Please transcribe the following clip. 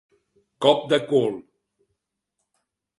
Cop de cul.